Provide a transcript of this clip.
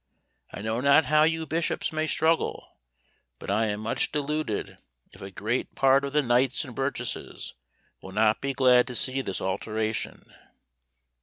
I know not how you bishops may struggle, but I am much deluded if a great part of the knights and burgesses would not be glad to see this alteration."